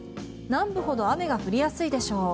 南部ほど雨が降りやすいでしょう